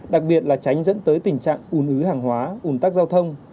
đặc biệt là tránh dẫn tới tình trạng ùn ứ hàng hóa ùn tắc giao thông